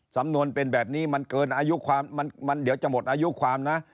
สำนวนเป็นแบบนี้มันเกินอายุความมันเดี๋ยวจะหมดอายุความนะ